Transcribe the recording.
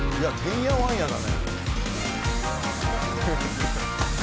足がてんやわんやだね。